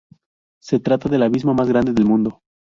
Se trata del Abismo más grande del Mundo.